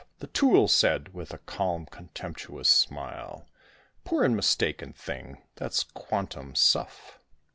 The tool said, with a calm contemptuous smile, "Poor and mistaken thing! that's quantum suff.